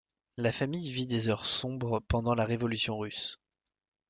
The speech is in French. La famille vit des heures sombres pendant la Révolution russe.